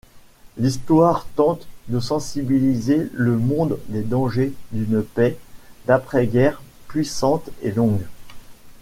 L'histoire tente de sensibiliser le monde des dangers d'une paix d'après-guerre puissante et longue.